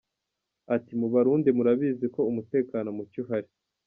Ati “Mu Burundi murabizi ko umutekano muke uhari.